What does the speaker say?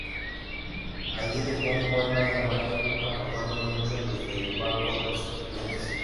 Allí dejó una buena imagen, aportando mucho desde el banco de suplentes.